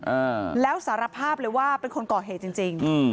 อ่าแล้วสารภาพเลยว่าเป็นคนก่อเหตุจริงจริงอืม